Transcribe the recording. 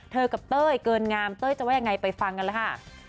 เธอกับเต้ยเกินงามเต้ยจะว่าอย่างไรไปฟังกันล่ะฮะ